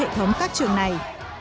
hệ thống các trường này